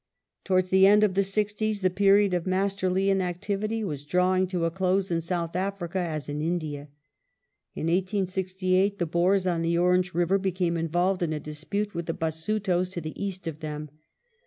Towards the end of the 'sixties the period of masterly Africa^ inactivity was drawing to a close in South Africa as in India. In 1868 the Boers on the Orange River became involved in a dispute with the Basutos to the east of them.